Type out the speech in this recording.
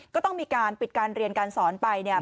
ก็ต้องมีการปิดการเรียนการสอนไปเนี่ย